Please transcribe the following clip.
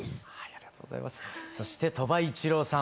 そして鳥羽一郎さん